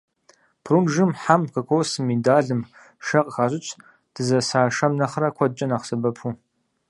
Прунжым, хьэм, кокосым, миндалым шэ къыхащӀыкӀ, дызэса шэм нэхърэ куэдкӀэ нэхъ сэбэпу.